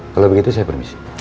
kalau begitu saya permisi